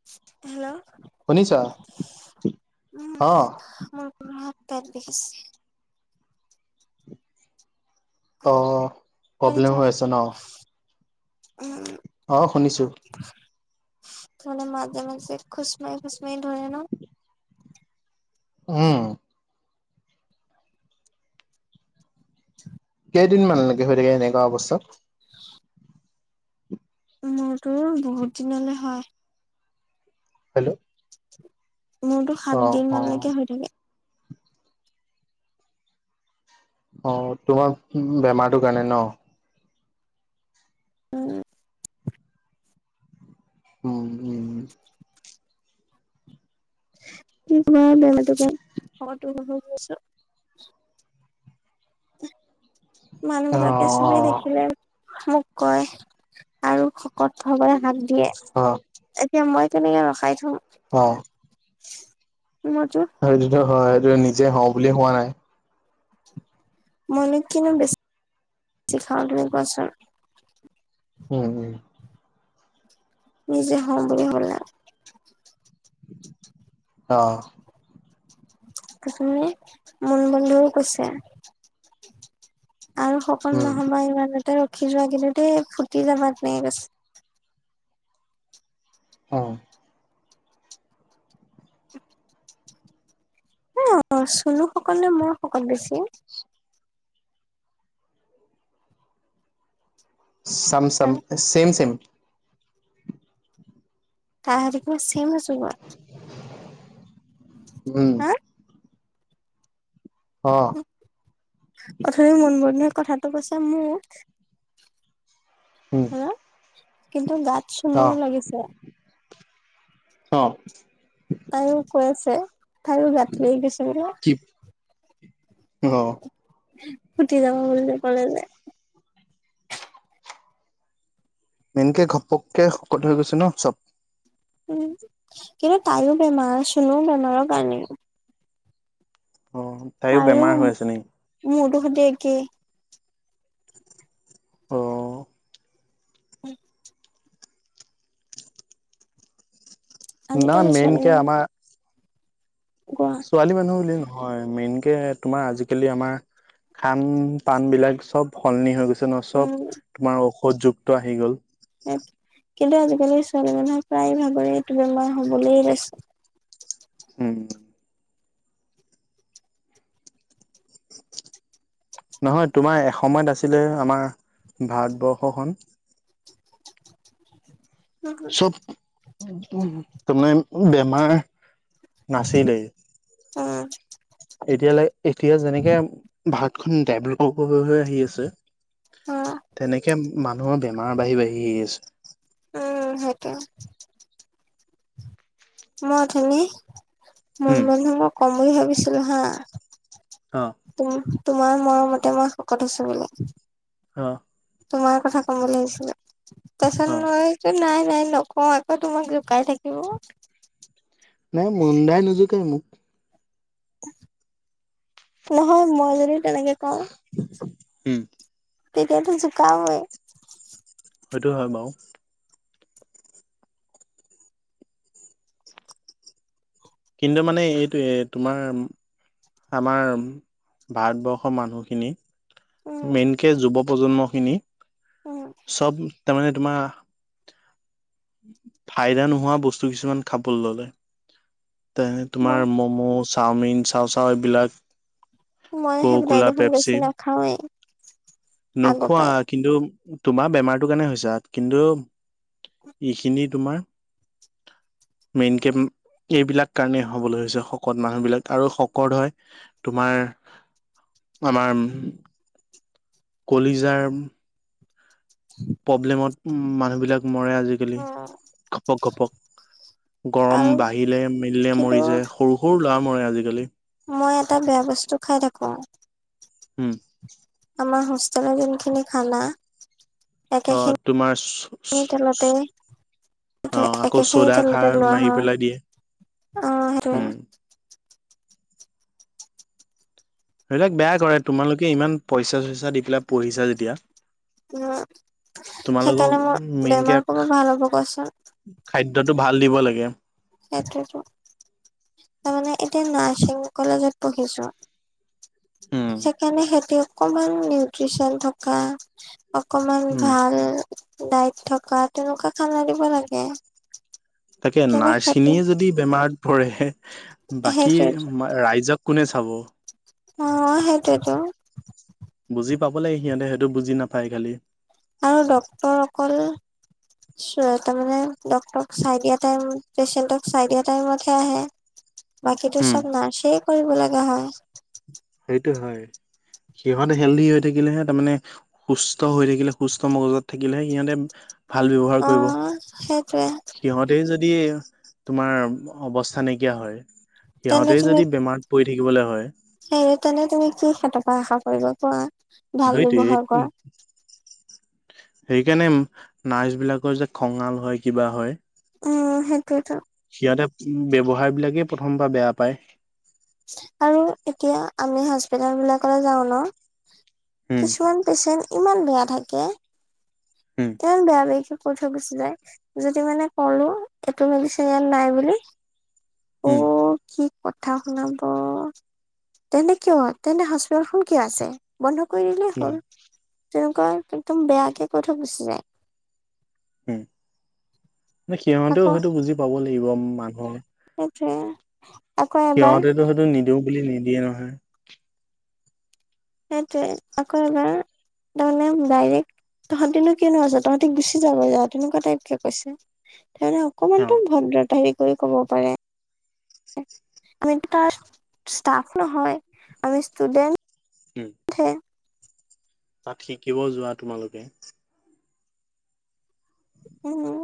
[inaudible] শুনিছা? অ'। [unintelligible] পেট বিষাইছে। অ' প্ৰব্লেম হৈ আছে ন'? [unintelligible] অ' শুনিছোঁ। মানে মাজে মাজে খুচমাৰি খুচমাৰি ধৰে ন'? উম। কেইদিনমান হৈ থাকে এনেকুৱা অৱস্থাত? [inaudible] মোৰটো বহুত দিনলৈ হয়। হেল্ল'। মোৰতো অ সাত অ দিনমানলৈকে হৈ থাকে। অ' তোমাৰ বেমাৰটোৰ কাৰণে ন'? উম। উম, উম। [unintelligible] অ মানুহবিলাকে চবেই দেখিলে। মোক কয় আৰু শকত হ'বলে হাক দিয়ে। অ এতিয়া মই কেনেকে ৰখাই থ'ম। অ'। [unintelligible] হয় এইটোতো হয়। সেইটো নিজে হওঁ বুলিয়ে হোৱা নাই। মইনো কিনো বেছি খাওঁ তুমি কোৱাচোন? উম, উম। নিজে হ'ম বুলি হ'লা। অ'। [unintelligible] মন বন্ধও কৈছে। আৰু শকত উম নহ'বা, ইমানতে ৰখি যোৱা কিন্তু দেই, ফুটি যাবা তেনেকে কৈছে। অ'। [inaudible] এ, চনু শকত নে, মই শকত বেছি? চাম, চাম ছেম, ছেম। তাই সৈতে দেখুন শ্লিম আছোঁ মই। উম। হা অ'। অথনি, মুন বনুৱে কথাটো কৈছে মোক। উম। হা কিন্তু গাত, অ চুনোৰ লাগিছে। অ'। তাই মোক কৈ আছে, তাইৰো গাত লাগি গৈছে বোলে। কি অ'। উঠি যাব বোলি ক'লে তাই। মেইনকে, ঘপকে শকত হৈ গৈছে ন চব। উম, কিন্তু তাইও বেমাৰ, চোনোৰ বেমাৰৰ কাৰণে। অ'। তাইও আৰু, বেমাৰ হৈ আছে নেকি মোৰতো সৈতে একেই। অ'। [inaudible] না, আজিকালি ছোৱালী মেইনকে মানুহ আমাৰ গোৱা ছোৱালী মানুহ বুলি নহয়, মেইনকে তোমাৰ আজিকালি আমাৰ খান-পান বিলাক চব সলনি হৈ গৈছে ন, চব উম তোমাৰ ঔষধযুক্ত আহি গ'ল। কিন্তু আজিকালি ছোৱালী মানুহৰ, প্ৰায় ভাগৰে এইটো বেমাৰ হ'বলে লৈছে। উম। নহয়, তোমাৰ এসময়ত আছিলে, আমাৰ ভাৰতবৰ্ষখন। [inaudible] তুমি, বেমাৰ নাছিলেই। উম। এতিয়ালৈ, এতিয়া, যেনেকে ভাৰতখন ডেভলপ হ'ব হৈ হৈ আহি আছে। অ'। তেনেকে মানুহৰ, বেমাৰ বাঢ়ি, বাঢ়ি আহি আছে। উম, সেইটোৱে। মই অথনি, মই উম মানে মই কম বুলি ভাবিছিলো হা। অ'। তোম, তোমাৰ মৰমতে মই, শকত হৈছোঁ বুলি। অ'। তোমাৰ কথা ক'ম বুলি ভাবিছিলো, তাৰপিছত অ মই নাই, নাই নকওঁ, আকৌ তোমাক জোকাই থাকিব। নাই মুন দাই নোজোকাই মোক। নহয়, মই যদি তেনেকে কওঁ উম। তেতিয়াতো জুকাবৈ। সেইটো হয় বাৰু। কিন্তু মানে, এইটোৱে তোমাৰ আমাৰ, ভাৰতবৰ্ষৰ মানুহখিনি উম, মেইনকে যুৱ প্ৰজন্মখিনি উম। চব তাৰমানে তোমাৰ ফাইদা নোহোৱা বস্তু কিছুমান খাবলৈ ল'লে। তে মই তোমাৰ ম'ম', চাওমিন, চাওচাও এইবিলাক মই সেইবিলাক ককোকলা, দেখোন বেছি পেপচি নাখাওৱেই আগৰ নোখোৱা পৰাই কিন্তু তোমাৰ বেমাৰটোৰ কাৰণে হৈছে কিন্তু এইখিনি তোমাৰ মেইনকে এইবিলাক কাৰণেই হ'বলৈ হৈছে শকত মানুহবিলাক, আৰু শকত হয় তোমাৰ আমাৰ উম কলিজাৰ্ম [inaudible] প্ৰব্লেমত উম মানুহ বিলাক মৰে আজি কালি উম, ঘপক ঘপক। গৰম আৰু বাঢ়িলে মেলিলে কিন্তু মৰি যায় সৰু সৰু ল'ৰা মৰে আজিকালি। মই এটা বেয়া বস্তু খাই থাকোঁ। উম। আমাৰ হোষ্টেলৰ যোনখিনি খানা অ তোমাৰ একেখিনি তেলতেই অ আকৌ একেখিনি চ'দা খাৰ তেলতে লোৱা মাৰি হয়। পেলাই দিয়ে অ সেইটোৱে উম সেইবিলাক বেয়া কৰে তোমালোকে ইমান পইচা-চইচা দি পেলাই পঢ়িছা যেতিয়া উম তোমালোকক সেইকাৰণে মোৰ মেইনকে বেমাৰ [unintelligible] ভাল হ'ব কচোন? খাদ্যটো ভাল দিব লাগে। সেইটোতো। তাৰমানে এতিয়া নাৰ্ছিং কলেজত পঢ়িছোঁ উম সেইকাৰণে সেইটো অকমান নিউট্ৰিচন থকা অকমান উম ভাল দাইত থকা তেনেকুৱা খানা দিব লাগে তাকে কিন্তু সেইটো নাৰ্ছখিনিয়ে যদি বেমাৰত পৰে, বাকী সেইটোৱেটো মা ৰাইজক কোনে চাব। অ সেইটোৱেতো। বুজি পাব লাগে সিহঁতে সেইটো বুজি নাপায় খালী। আৰু ডক্তৰ অকল চোৱা, তাৰমানে ডক্টৰক চাই দিয়া টাইম পেচেণ্টক চাই দিয়া টাইমতহে আহে। বাকীতো উম, চব নাৰ্ছেই কৰিব লগা হয়। সেইটো হয়। সিহঁত হেলদি হৈ থাকিলেহে তাৰমানে সুস্থ হৈ থাকিলে, সুস্থ মগজত থাকিলেহে, সিহঁতে ভাল ব্যৱহাৰ অ কৰিব। সেইটোৱে সিহঁতেই যদি তোমাৰ অৱস্থা নাইকিয়া হয়, তেনে সিহঁতেই যদি বেমাৰত পৰি থাকিবলৈ হয়, সেইয়ে তেনে তুমি কি সেহতৰ পৰা আশা কৰিব কোৱা? ভাল সেইটোৱে ব্যৱহাৰ কৰা। উম সেইকাৰণে নাৰ্ছ বিলাকৰ যে খঙাল হয়, কিবা হয় উম সেইটোৱেতো। সিহঁতে ব্যৱহাৰ বিলাকেই প্ৰথমপা বেয়া পায়। আৰু এতিয়া আমি হস্পিতাল বিলাকলৈ যাওঁ ন, উম কিছুমান পেচেণ্ট ইমান বেয়া থাকে উম। ইমান বেয়া বেয়িকে কৈ থৈ গুচি যায়! যদি মানে কলোঁ, এইটো মেডিচিন ইয়াত নাই বুলি, অ' উম। কি কথা শুনাব, তেন্তে কিয় তেন্তে হস্পিতালখন কিয় আছে, বন্ধ কৰি দিলেই উম হ'ল, তেনেকুৱা একদম বেয়াকে কৈ থৈ গুচি যায়। উম, সিহঁতেও আকৌ হয়তো বুজি পাব লাগিব মানুহৰ সেইটোৱে। আকৌ এবাৰ সিহঁতেটো সেইটো নিদিওঁ বুলি নিদিয়ে নহয়। সেইটোৱে আকৌ এবাৰ তাৰমানে ডাইৰেক্ট, তহঁতিনো কিয়নো আছ, তহঁতি গুচি যাগৈ যা, তেনেকুৱা টাইপকে কৈছে। তাহাঁতে অ অকমানতো ভদ্ৰতা হেৰি কৰি ক'ব পাৰে। আমিতো তাত ষ্টাফ নহয়, আমি ষ্টুডেণ্ট উম। তাত শিকিব যোৱা তোমালোকে। উম।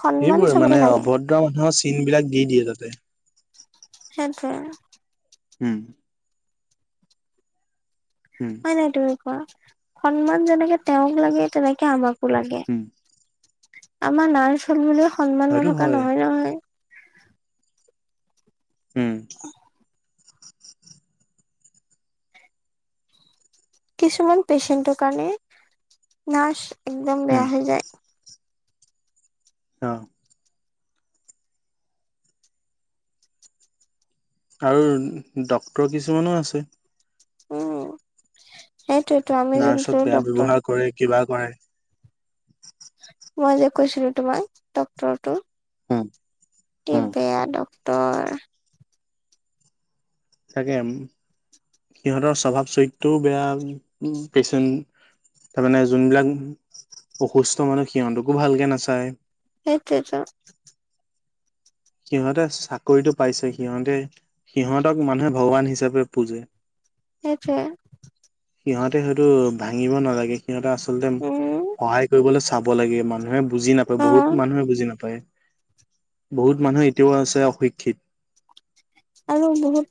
সন্মান এইবোৰৰে চবকে মানে লাগে অভদ্ৰ মানুহৰ চিন বিলাক দি দিয়ে তাতে। সেইটোৱে। ওম উম। হয় নাই তুমি কোৱা, সন্মান যেনেকে তেওঁক লাগে তেনেকে আমাকো লাগে উম, আমাৰ নাৰ্ছ হল বুলিও সন্মান হয়টো নথকা হয়। নহয় নহয়! উম। [unintelligible] কিছুমান পেচেন্টৰ কাৰণে নাৰ্ছ একদম উম, বেয়া হৈ যায়। অ। আৰু ডক্তৰ কিছুমানো আছে। উম, সেইটোৱেটো আমি নাৰ্ছত যোনটো বেয়া ডক্টৰ, ব্যৱহাৰ কৰে, কিবা কৰে মই যে কৈছিলো তোমাক ডক্টৰটো, উম, কি উম। বেয়া ডক- টৰ থাকে উম, সিহঁতৰ স্বভাৱ চৰিত্ৰও বেয়া উ পেচেণ্- তাৰমানে যোনবিলাক অসুস্থ মানুহ সিহঁতকো ভালকৈ নাচায়। সেইটোৱেতো সিহঁতে চাকৰিটো পাইছে সিহঁতে সিহঁতক মানুহে ভগৱান হিচাপে পুজে, সেইটোৱে। সিহঁতে হয়টো ভাঙিব নালাগে, সিহঁতে আচলতে উম সহায় কৰিবলে চাব লাগে মানুহে বুজি নাপায় অ বহুত মানুহে বুজি নাপায়, বহুত মানুহে এতিয়াও আছে অশিক্ষিত। আৰু বহুত,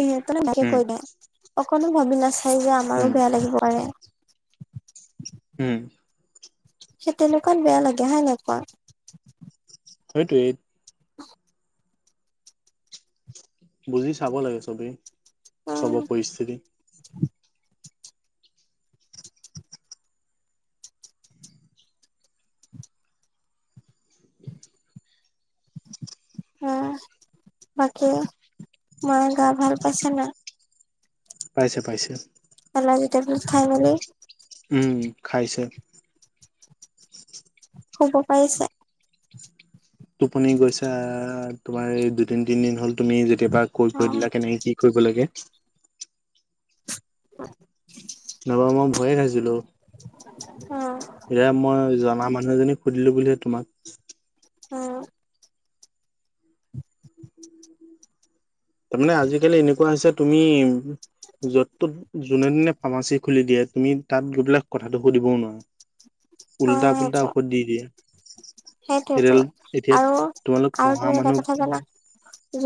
ইহঁতেই বিশেষ উম কৈ বেয়া, অকনো ভাবি নাচাই যে আমাৰো বেয়া উম লাগিব পাৰে। ওম সেই তেনেকুৱাত বেয়া লাগে হয় নাই কোৱা? সেইটোৱে। [unintelligible] বুজি চাব লাগে চবেই, উম চবৰ পৰিস্থিতি। [unintelligible] [inaudible] [inaudible] অ, বাকী মায়ে গা ভাল পাইছে না? পাইছে পাইছে। [unintelligible] ভিতৰটোত খাই বুলি। উম খাইছে। শুব পাৰিছে? টোপনি গৈছা, তোমাৰ এই দুই তিন তিনদিন হ'ল তুমি যেতিয়া পা কৈ অ থৈ দিলা কেনেকে কি কৰিব লাগে [inaudible] নবা মই ভয়ে খাইছিলো। অ। এয়া মই জনা মানুহ এজনী সুধিলো বুলিহে তোমাক উম। [inaudible] তাৰমানে আজিকালি এনেকুৱা হৈছে তুমি য'ত তত যো যোনে দিনে ফাৰ্মাচী খুলি দিয়ে, তুমি তাত গৈ বিলাক কথাটো সুধিবও নোৱাৰা। অ উল্টা পুল্টা সেইটোৱে ঔষধ দি দিয়ে। সেইটোৱেতো সেইডাল এতিয়া আৰু তোমালোক আৰু পঢ়া তুমি এটা মানুহ কথা জানা?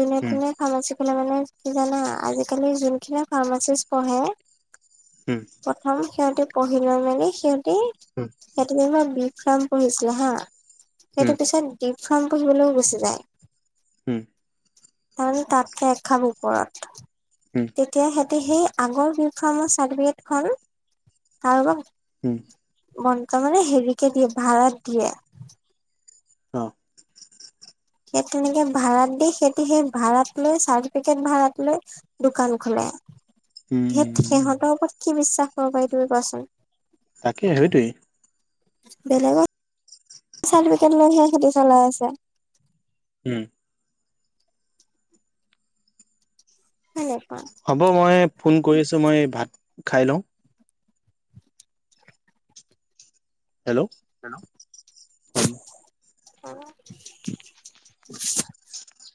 যোনে উম তোনে ফাৰ্মাচী খোলে মানে কি জানা? আজিকালি যোনখিনি ফাৰ্মাচীচ পঢ়ে হুম। প্ৰথম সিহঁতে পঢ়ি লৈ মানে সিহঁতে উম সিহঁতে যেনিবা বি ফাৰ্ম পঢ়িছিলে হা উম সেইটো পিছত ডি ফাৰ্ম পঢ়িবলৈও গুচি যায়। হুম। আমি তাতকে এখাপ ওপৰত উম তেতিয়া সে তে সেই আগৰ বি ফাৰ্মৰ চাৰ্টিফিকেটখন কাৰোবাৰ উম'। মন্ত মানে হেৰিকে দিয়ে ভাড়াত দিয়ে। অ'। সেই তেনেকে ভাড়াত দি, সিহতি সেই ভাড়াত লৈ চাৰ্টিফিকেট ভাড়াত লৈ দোকান খোলে। উম। উম এত উম সিহঁতৰ ওপৰত কি বিশ্বাস কৰিব পাৰি তুমি কোৱাচোন? তাকে সেইটোৱেই। বেলেগত চাৰ্টিফিকেট লৈহে সেহতি চলাই আছে। উম। সেনেকুৱা। হ'ব মই ফোন কৰি আছোঁ, মই ভাত খাই লওঁ। হেল্ল'? হেল্ল'? হ'ব। অ। [inaudible]